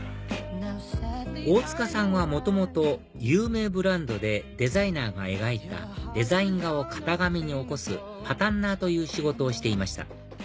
大塚さんは元々有名ブランドでデザイナーが描いたデザイン画を型紙に起こすパタンナーという仕事をしていました